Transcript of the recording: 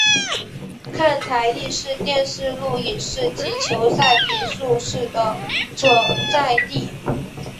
看台亦是电视录影室及球赛评述室的所在地。